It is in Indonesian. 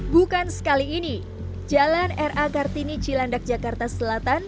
bukan sekali ini jalan r a kartini cilandak jakarta selatan